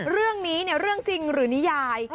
เรื่องนี้เรื่องจริงหรือนิยาย